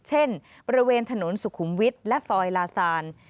เช่นบริเวณถนนสุขุมวิทย์และซอยลาซาน